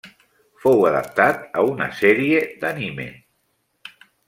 Fou adaptat a una sèrie d'anime.